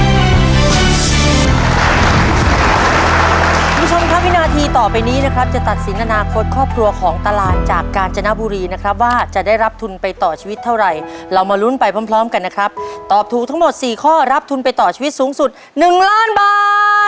คุณผู้ชมครับวินาทีต่อไปนี้นะครับจะตัดสินอนาคตครอบครัวของตารานจากกาญจนบุรีนะครับว่าจะได้รับทุนไปต่อชีวิตเท่าไหร่เรามาลุ้นไปพร้อมกันนะครับตอบถูกทั้งหมดสี่ข้อรับทุนไปต่อชีวิตสูงสุด๑ล้านบาท